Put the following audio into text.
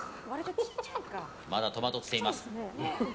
まだ戸惑っています。